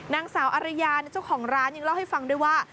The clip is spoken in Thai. นางสาวอารยาเจ้าของร้านยังเล่าให้ฟังด้วยว่า